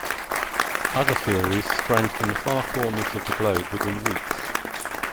Other theories sprang from the far corners of the globe within weeks.